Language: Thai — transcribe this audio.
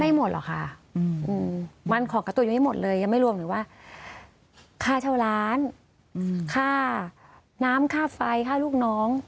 หมดหรอกค่ะมันขอการ์ตูนยังไม่หมดเลยยังไม่รวมถึงว่าค่าเช่าร้านค่าน้ำค่าไฟค่าลูกน้อง